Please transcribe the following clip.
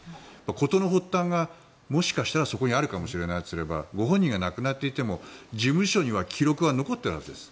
事の発端がもしかしたらそこにあるかもしれないとすればご本人が亡くなっていても事務所には記録が残っているはずです。